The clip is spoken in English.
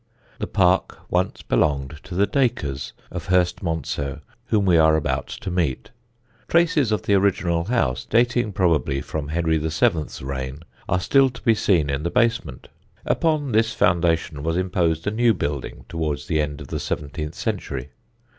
The park once belonged to the Dacres of Hurstmonceaux, whom we are about to meet. Traces of the original house, dating probably from Henry VII.'s reign, are still to be seen in the basement. Upon this foundation was imposed a new building towards the end of the seventeenth century.